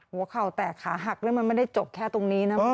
หัวเข่าแตกขาหักแล้วมันไม่ได้จบแค่ตรงนี้นะ